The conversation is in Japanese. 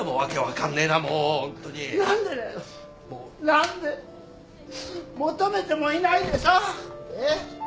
何で求めてもいないでさえっ？